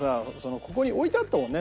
ここに置いてあったもんね。